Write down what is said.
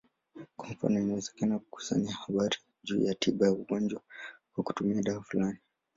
Kwa mfano, inawezekana kukusanya habari juu ya tiba ya ugonjwa kwa kutumia dawa fulani.